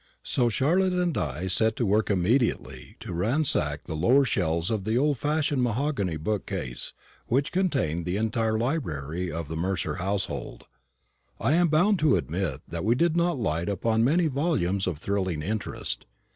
So Charlotte and I set to work immediately to ransack the lower shelves of the old fashioned mahogany bookcase, which contained the entire library of the Mercer household. I am bound to admit that we did not light upon many volumes of thrilling interest.